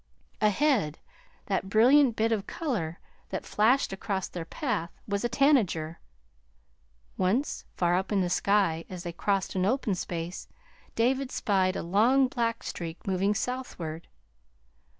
Ahead, that brilliant bit of color that flashed across their path was a tanager. Once, far up in the sky, as they crossed an open space, David spied a long black streak moving southward.